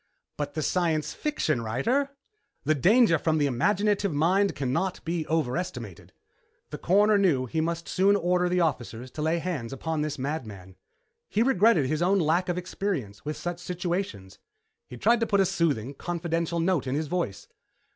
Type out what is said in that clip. "But the science fiction writer?" "The danger from the imaginative mind cannot be overestimated." The Coroner knew he must soon order the officers to lay hands upon this madman. He regretted his own lack of experience with such situations. He tried to put a soothing, confidential note into his voice.